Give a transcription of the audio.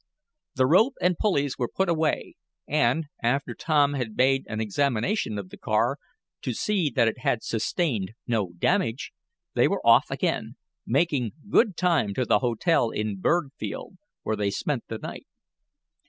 The rope and pulleys were put away, and, after Tom had made an examination of the car to see that it had sustained no damage, they were off again, making good time to the hotel in Burgfield, where they spent the night.